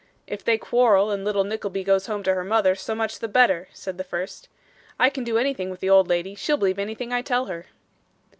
'If they quarrel and little Nickleby goes home to her mother, so much the better,' said the first. 'I can do anything with the old lady. She'll believe anything I tell her.